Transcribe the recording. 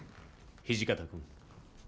土方君。